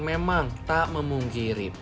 memang tak memungkiri